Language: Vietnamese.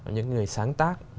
những người sáng tác